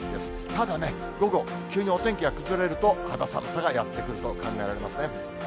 ただね、午後、急にお天気が崩れると、肌寒さがやって来ると考えられますね。